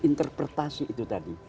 interpretasi itu tadi